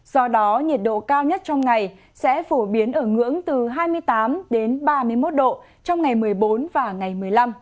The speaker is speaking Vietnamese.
do đó nhiệt độ cao nhất trong ngày sẽ phổ biến ở ngưỡng từ hai mươi tám đến ba mươi một độ trong ngày một mươi bốn và ngày một mươi năm